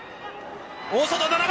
大外７番。